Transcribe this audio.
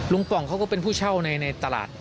กล่องเขาก็เป็นผู้เช่าในตลาด